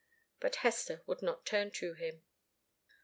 But Hester would not turn to him.